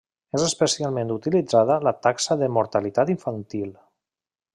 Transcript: És especialment utilitzada la Taxa de mortalitat infantil.